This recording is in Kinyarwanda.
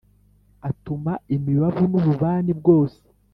atama imibavu n’ububani bwose